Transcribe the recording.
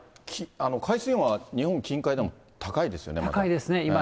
海水温は日本近海でも高いですよね、まだ。